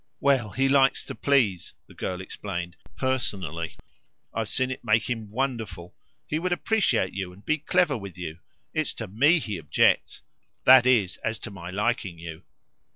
"Well, he likes to please," the girl explained "personally. I've seen it make him wonderful. He would appreciate you and be clever with you. It's to ME he objects that is as to my liking you."